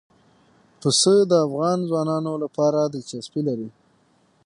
پسه د افغان ځوانانو لپاره دلچسپي لري.